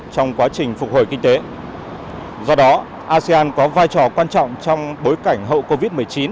trong quá trình phục hồi kinh tế do đó asean có vai trò quan trọng trong bối cảnh hậu covid một mươi chín